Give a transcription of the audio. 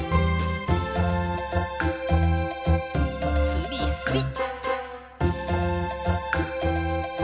すりすり。